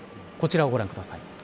こちらをご覧ください。